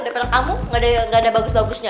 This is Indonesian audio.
depan kamu nggak ada bagus bagusnya